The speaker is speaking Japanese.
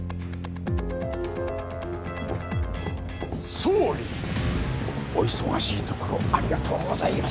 総理お忙しいところありがとうございます。